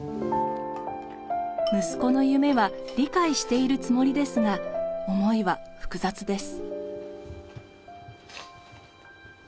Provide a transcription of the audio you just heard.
息子の夢は理解しているつもりですが思いは複雑です。